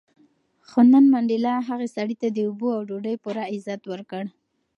خو نن منډېلا هغه سړي ته د اوبو او ډوډۍ پوره عزت ورکړ.